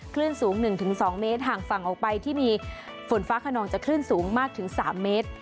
คลื่นสูง๑๒เมตรห่างฝั่งออกไปที่มีฝนฟ้าขนองจะคลื่นสูงมากถึง๓เมตร